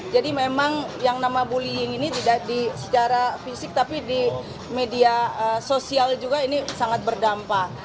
jadi memang yang nama bullying ini tidak secara fisik tapi di media sosial juga ini sangat berdampak